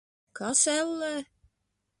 Kas, ellē?